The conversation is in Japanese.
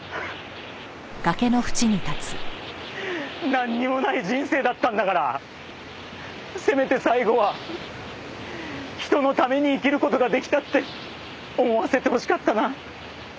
なんにもない人生だったんだからせめて最後は人のために生きる事が出来たって思わせてほしかったな。